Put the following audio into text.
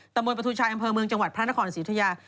ตะเมินประทูชาอำเภอเมืองจังหวัดพระนครศรีวิทยา